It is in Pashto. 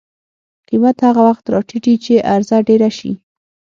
قیمت هغه وخت راټیټي چې عرضه ډېره شي.